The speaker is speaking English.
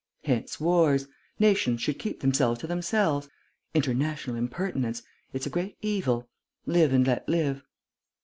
Hence wars. Nations should keep themselves to themselves. International impertinence ... it's a great evil. Live and let live."